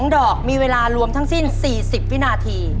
ดอกมีเวลารวมทั้งสิ้น๔๐วินาที